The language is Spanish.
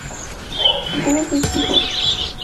Gayarre tuvo seis hijos.